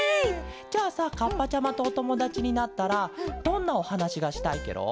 じゃあさカッパちゃまとおともだちになったらどんなおはなしがしたいケロ？